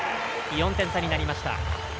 ４点差になりました。